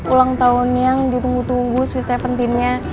ulang tahun yang ditunggu dua sweet seventeennya